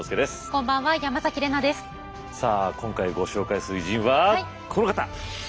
今回ご紹介する偉人はこの方。